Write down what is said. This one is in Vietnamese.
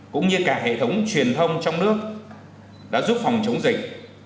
cũng như cả hệ thống truyền thông trong nước đã giúp phòng chống dịch